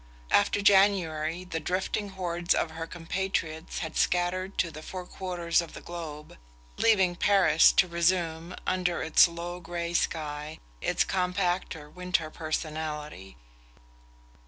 After January the drifting hordes of her compatriots had scattered to the four quarters of the globe, leaving Paris to resume, under its low grey sky, its compacter winter personality.